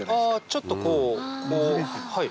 ちょっとこうはい。